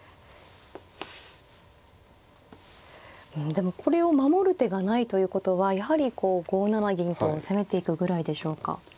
でもこれを守る手がないということはやはりこう５七銀と攻めていくぐらいでしょうか。